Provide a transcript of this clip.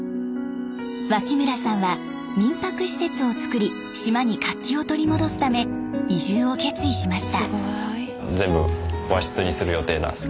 脇村さんは民泊施設をつくり島に活気を取り戻すため移住を決意しました。